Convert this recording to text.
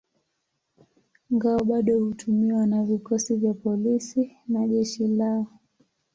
Ngao bado hutumiwa na vikosi vya polisi na jeshi leo.